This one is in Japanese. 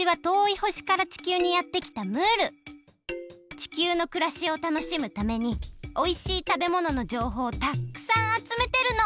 地球のくらしをたのしむためにおいしいたべもののじょうほうをたくさんあつめてるの！